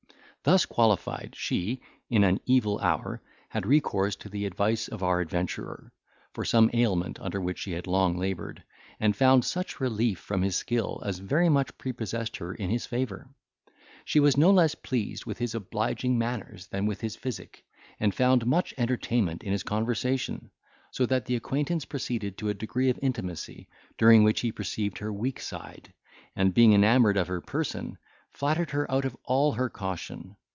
Thus qualified, she, in an evil hour, had recourse to the advice of our adventurer, for some ailment under which she had long laboured, and found such relief from his skill as very much prepossessed her in his favour. She was no less pleased with his obliging manners than with his physic, and found much entertainment in his conversation, so that the acquaintance proceeded to a degree of intimacy, during which he perceived her weak side, and being enamoured of her person, flattered her out of all her caution.